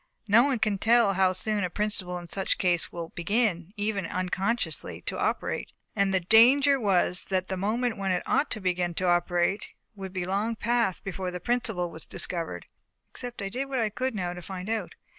Now no one can tell how soon a principle in such a case will begin, even unconsciously, to operate; and the danger was that the moment when it ought to begin to operate would be long past before the principle was discovered, except I did what I could now to find it out.